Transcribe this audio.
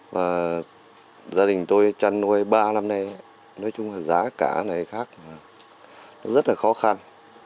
và gia đình tôi chăn nuôi ba năm nay nói chung là giá cả này khác nó rất là khó khăn